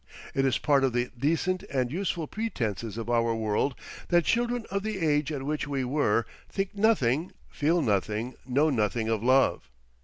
It is part of the decent and useful pretences of our world that children of the age at which we were, think nothing, feel nothing, know nothing of love.